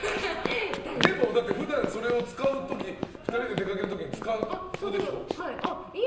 でも普段はそれを使う時２人が出かける時に使うでしょ。